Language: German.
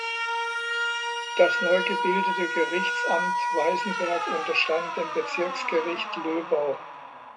Das neu gebildete Gerichtsamt Weißenberg unterstand dem Bezirksgericht Löbau.